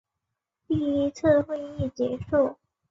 第一次会议结束。